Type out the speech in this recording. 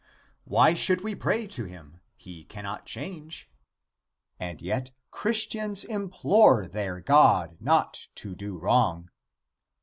Why should we pray to him? He cannot change. And yet Christians implore their God not to do wrong.